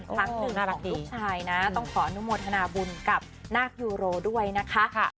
ครั้งหนึ่งรักลูกชายนะต้องขออนุโมทนาบุญกับนาคยูโรด้วยนะคะ